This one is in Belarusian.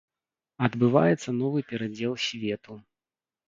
Адбываецца новы перадзел свету.